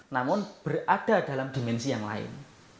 namun berada dalam dimensi yang lain